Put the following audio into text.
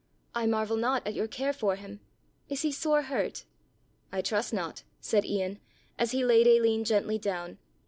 "I marvel not at your care for him. Is he sore hurt?" "I trust not," said Ian, as he laid Aline gently down.